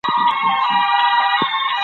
مازیګر د خپلو ژېړو وړانګو سره په رخصتېدو و.